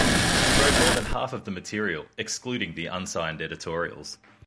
He wrote more than half of the material, excluding the unsigned editorials.